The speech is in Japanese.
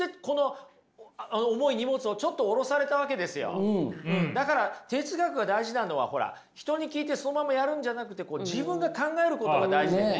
今だから哲学が大事なのはほら人に聞いてそのままやるんじゃなくて自分が考えることが大事でね。